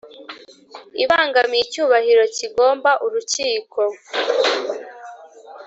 ibangamiye icyubahiro kigomba Urukiko